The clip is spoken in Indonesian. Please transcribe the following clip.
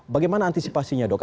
bagaimana antisipasinya dok